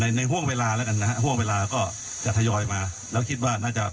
ในในห่วงเวลาแล้วกันนะฮะห่วงเวลาก็จะทยอยมาแล้วคิดว่าน่าจะ